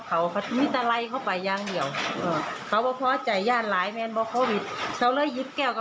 เพราะว่าอะไรเพราะว่านี้ค่ะ